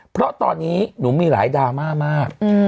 เพราะตอนนี้หนูมีหลายดราม่ามาก